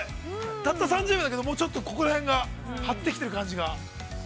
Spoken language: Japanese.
たった３０秒だけど、ここら辺が張ってきている感じが。